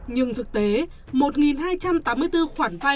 nhưng thực tế một hai trăm tám mươi bốn khoản vay